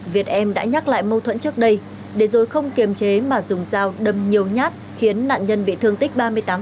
việt em đã nhắc lại mâu thuẫn trước đây để rồi không kiềm chế mà dùng dao đâm nhiều nhát khiến nạn nhân bị thương tích ba mươi tám